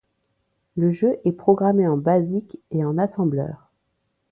Le jeu est programmé en Basic et en assembleur.